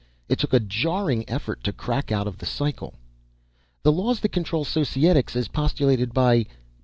It took a jarring effort to crack out of the cycle. "The laws that control Societics, as postulated by